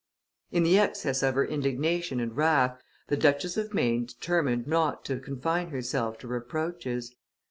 In the excess of her indignation and wrath, the Duchess of Maine determined not to confine herself to reproaches.